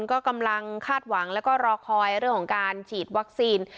ก็กำลังคาดหวังแล้วก็รอคอยเรื่องของการฉีดวัคซีน